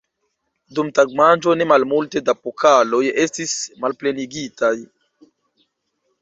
Dum tagmanĝo ne malmulte da pokaloj estis malplenigitaj!